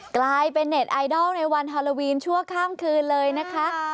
กลายเป็นเน็ตไอดอลในวันฮาโลวีนชั่วข้ามคืนเลยนะคะ